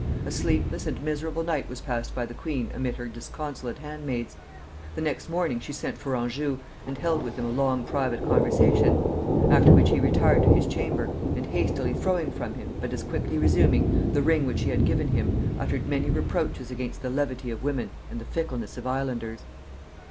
A sleepless and miserable night was passed by the queen amid her disconsolate handmaids: the next morning she sent for Anjou, and held with him a long private conversation; after which he retired to his chamber, and hastily throwing from him, but as quickly resuming, the ring which she had given him, uttered many reproaches against the levity of women and the fickleness of islanders.